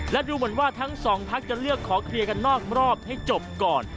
และดูเหมือนว่าทั้งสองพักจะเลือกขอเคลียร์กันนอกรอบให้จบก่อน